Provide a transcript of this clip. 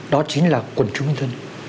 đó chính là quần chúng nhân dân